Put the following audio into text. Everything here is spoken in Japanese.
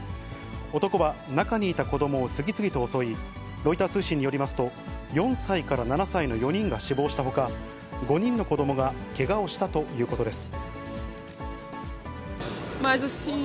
男は中にいた子どもを次々と襲い、ロイター通信によりますと、４歳から７歳の４人が死亡したほか、５人の子どもがけがをしたということです。